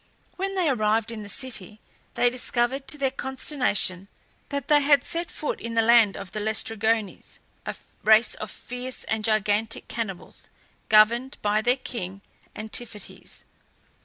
When they arrived in the city they discovered to their consternation that they had set foot in the land of the Laestrygones, a race of fierce and gigantic cannibals, governed by their king Antiphates.